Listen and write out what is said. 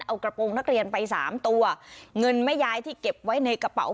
เอากระโปรงนักเรียนไปสามตัวเงินแม่ยายที่เก็บไว้ในกระเป๋า